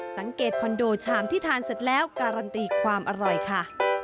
คอนโดชามที่ทานเสร็จแล้วการันตีความอร่อยค่ะ